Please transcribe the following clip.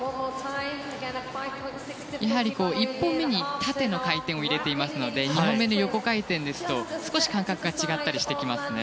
１本目に縦の回転を入れていますので２本目の横回転ですと少し感覚が違ったりしますね。